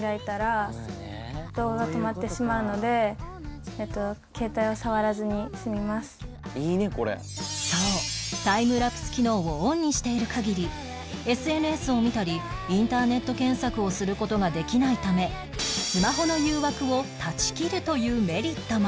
私は結構「いいねこれ」そうタイムラプス機能をオンにしている限り ＳＮＳ を見たりインターネット検索をする事ができないためスマホの誘惑を断ち切るというメリットも